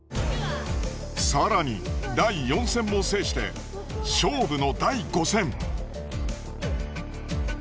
更に第４戦も制して勝負の第５戦。